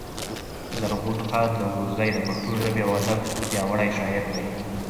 زرغون خان نورزى د پښتو ژبـي او ادب پياوړی شاعر دﺉ.